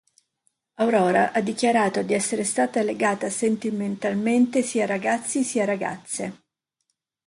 Aurora ha dichiarato di essere stata legata sentimentalmente sia a ragazzi sia a ragazze.